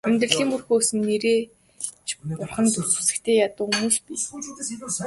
Амьдралын мөр хөөсөн нээрээ ч бурханд сүсэгтэй ядуу хүмүүс бий.